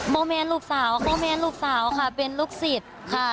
โมแมนลูกสาวพ่อแมนลูกสาวค่ะเป็นลูกศิษย์ค่ะ